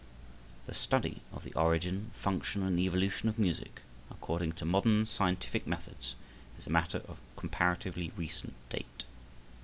The study of the origin, function and evolution of music, according to modern scientific methods, is a matter of comparatively recent date.